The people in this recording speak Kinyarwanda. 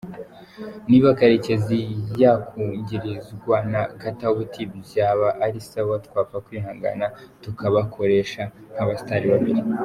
Niba Karekezi yakungirizwa na Katauti byaba ari sawa twapfa kwihangana tukabakoresha nkabastar babiri.